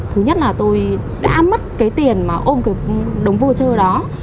thứ nhất là tôi đã mất cái tiền mà ôm cái đống vô chờ đó